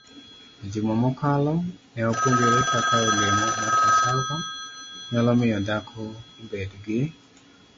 E juma mokalo, ne wapuonjore kaka olemo mar cassava nyalo miyo dhako obed gi